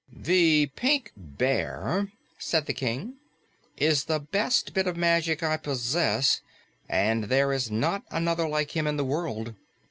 "The Pink Bear," said the King, "is the best bit of magic I possess, and there is not another like him in the world.